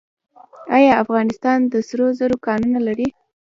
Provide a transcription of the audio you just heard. آیا افغانستان د سرو زرو کانونه لري؟